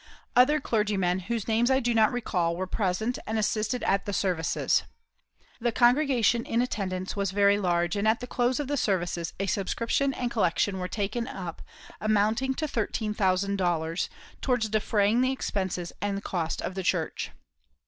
Other clergymen, whose names I do not recall, were present and assisted at the services. The congregation in attendance was very large, and at the close of the services a subscription and collection were taken up amounting to $13,000, towards defraying the expenses and cost of the church.